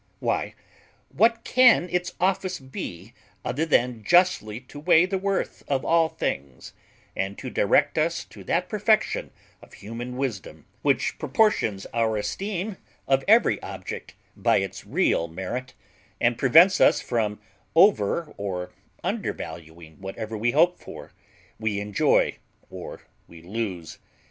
Why, what can its office be other than justly to weigh the worth of all things, and to direct us to that perfection of human wisdom which proportions our esteem of every object by its real merit, and prevents us from over or undervaluing whatever we hope for, we enjoy, or we lose.